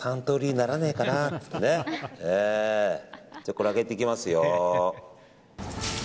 これを揚げていきますよ。